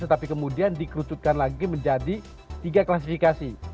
tapi kemudian dikrututkan lagi menjadi tiga klasifikasi